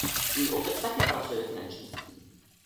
Její otec také pracuje ve finančnictví.